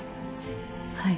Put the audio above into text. はい。